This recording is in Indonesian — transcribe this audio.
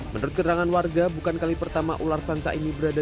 menurut keterangan warga bukan kali pertama ular sanca ini berada